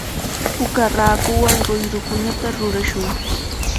Puka raakuwan ruyrukunata rurashun.